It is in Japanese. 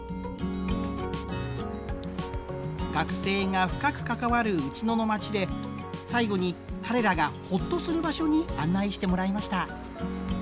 学生が深く関わる内野の町で最後に彼らがホッとする場所に案内してもらいました。